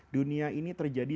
dunia ini terjadi